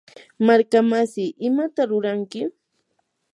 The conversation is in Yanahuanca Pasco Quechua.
markamasi, ¿imata ruranki?